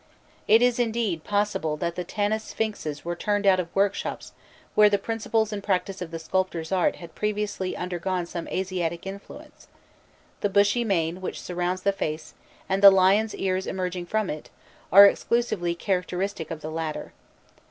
It is, indeed, possible that the Tanis sphinxes were turned out of workshops where the principles and practice of the sculptor's art had previously undergone some Asiatic influence; the bushy mane which surrounds the face, and the lion's ears emerging from it, are exclusively characteristic of the latter.